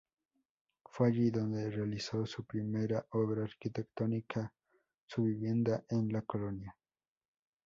Fue allí donde realizó su primera obra arquitectónica: su vivienda en la Colonia.